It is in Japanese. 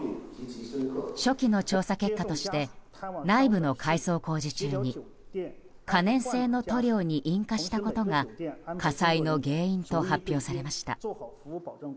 初期の調査結果として内部の改装工事中に可燃性の塗料に引火したことが火災の原因と発表されました。